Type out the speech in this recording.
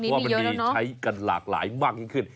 เพราะว่ามันมีใช้กันหลากหลายมากยิ่งขึ้น